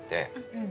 うん。